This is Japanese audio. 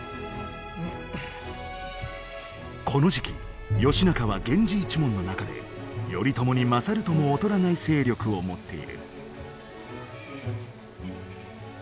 この時期義仲は源氏一門の中で頼朝に勝るとも劣らない勢力を持っている。